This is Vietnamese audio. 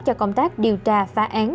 cho công tác điều tra phá án